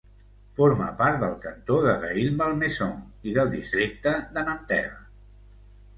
Forma part del cantó de Rueil-Malmaison i del districte de Nanterre.